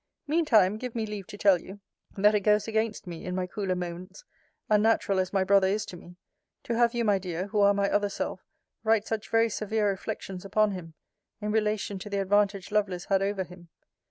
Mean time, give me leave to tell you, that it goes against me, in my cooler moments, unnatural as my brother is to me, to have you, my dear, who are my other self, write such very severe reflections upon him, in relation to the advantage Lovelace had over him.